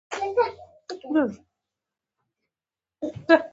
کچالو د هاضمې لپاره ښه سبزی دی.